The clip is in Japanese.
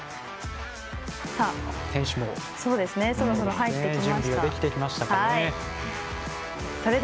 選手もそろそろ入ってきましたね。